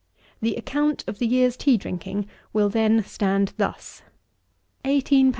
The account of the year's tea drinking will then stand thus: L. _s.